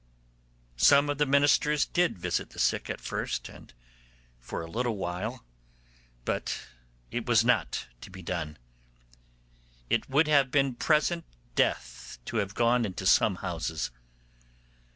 Some of the ministers did visit the sick at first and for a little while, but it was not to be done. It would have been present death to have gone into some houses.